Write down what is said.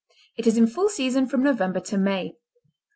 It is in full season from November to May.